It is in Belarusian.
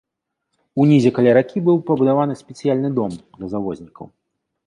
Унізе каля ракі быў пабудаваны спецыяльны дом для завознікаў.